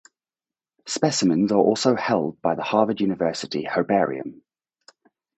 Specimens are also held by the Harvard University herbarium.